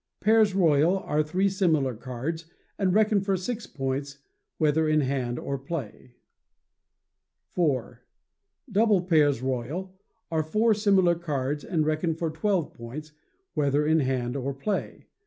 Pairs Royal are three similar cards, and reckon for six points, whether in hand or play. iv. Double Pairs Royal are four similar cards and reckon for twelve points, whether in hand or play.